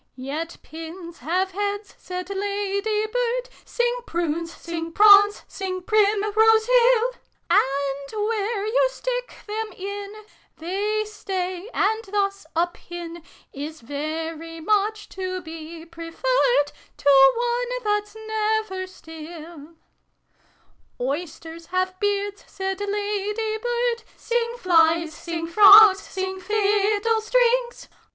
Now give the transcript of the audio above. ' Yet pins have heads,' said Lady Bird Sing Prunes, sing Prawns, sing Primrose Hill !' A nd, where you stick tliem in, They stay, and thus a pin Is very much to be preferred To one that's never still /'"' Oysters have beards ,' said Lady Bird Sing Flies, sing Frogs, sing Fiddle strings